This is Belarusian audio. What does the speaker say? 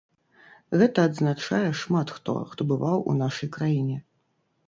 Гэта адзначае шмат хто, хто бываў у нашай краіне.